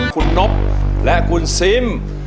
คุณนบและคุณซิม